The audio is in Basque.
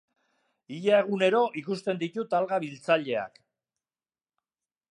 Ia egunero ikusten ditut alga-biltzaileak.